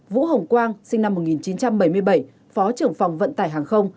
vũ hồng quang sinh năm một nghìn chín trăm bảy mươi bảy phó trưởng phòng vận tải hàng không